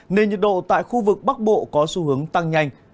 nên nhiệt độ tại khu vực bắc bộ có xu hướng tăng nhanh